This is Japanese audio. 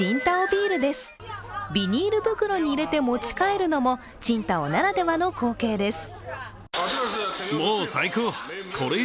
ビニール袋に入れて持ち帰るのも青島ならではの光景です。